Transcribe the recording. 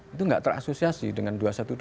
itu nggak terasosiasi dengan dua ratus dua belas